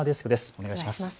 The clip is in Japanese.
お願いします。